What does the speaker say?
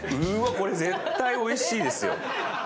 これ絶対おいしいですよ